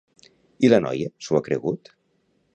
I la noia s'ho ha cregut?